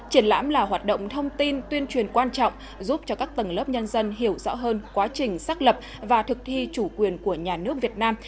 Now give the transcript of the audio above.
triển lãm là hoạt động thông tin tuyên truyền quan trọng giúp cho các tầng lớp nhân dân hiểu rõ hơn quá trình xác lập và thực thi chủ quyền của nhà nước việt nam